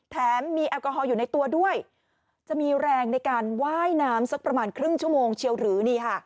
แถมมีแอลกอฮอลอยู่ในตัวด้วยจะมีแรงในการว่ายน้ำสักประมาณครึ่งชั่วโมงเชียวหรือนี่ค่ะ